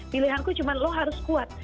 pilihanku cuma lo harus kuat